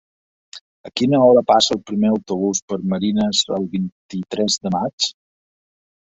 A quina hora passa el primer autobús per Marines el vint-i-tres de maig?